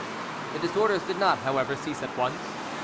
The disorders did not, however, cease at once.